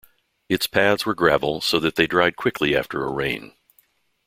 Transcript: Its paths were gravel, so that they dried quickly after a rain.